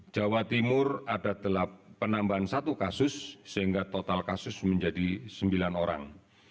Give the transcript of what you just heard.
jawa timur ada penambahan kasus baru sekitar satu orang sehingga total kasus menjadi sembilan orang